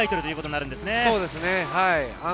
そうですね。